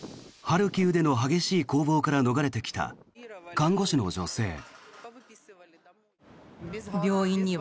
ハルキウでの激しい攻防から逃れてきた看護師の女性。